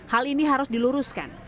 hal ini harus diluruskan